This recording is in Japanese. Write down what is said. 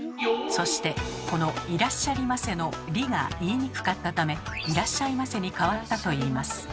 そしてこの「いらっしゃりませ」の「り」が言いにくかったため「いらっしゃいませ」に変わったといいます。